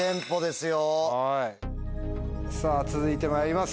さぁ続いてまいります